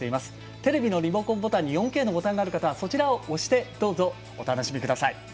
テレビのリモコンボタンに４Ｋのボタンがある方はそちらを押してどうぞお楽しみください。